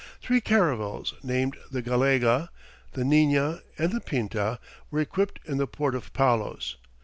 Three caravels, named the Gallega, the Nina, and the Pinta, were equipped in the port of Palos.